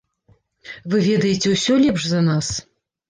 Вы ведаеце ўсё лепш за нас.